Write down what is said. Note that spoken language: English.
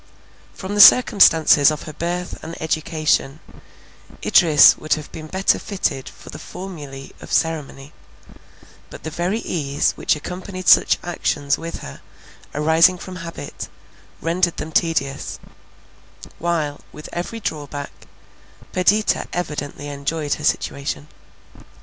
From the circumstances of her birth and education, Idris would have been better fitted for the formulae of ceremony; but the very ease which accompanied such actions with her, arising from habit, rendered them tedious; while, with every drawback, Perdita evidently enjoyed her situation.